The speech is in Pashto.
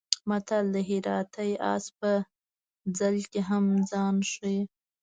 متل دی: هراتی اس په ځل کې هم ځان ښي.